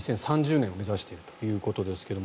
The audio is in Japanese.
２０３０年を目指しているということですが。